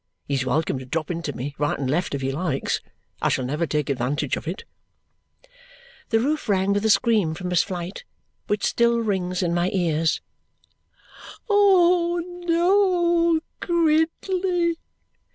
He's welcome to drop into me, right and left, if he likes. I shall never take advantage of it." The roof rang with a scream from Miss Flite, which still rings in my ears. "Oh, no, Gridley!"